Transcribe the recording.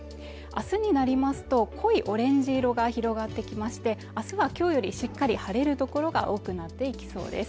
明日になりますと濃いオレンジ色が広がってきましてあすはきょうよりしっかり晴れる所が多くなっていきそうです